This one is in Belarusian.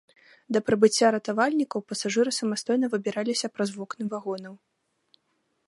Да прыбыцця ратавальнікаў, пасажыры самастойна выбіраліся праз вокны вагонаў.